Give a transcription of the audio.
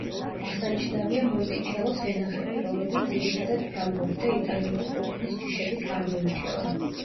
აღსანიშნავია მონტიჩელოს ვენახები, რომლებიც ძირითადად ფრანგული და იტალიური ყურძნის ჯიშებით გამოირჩევა.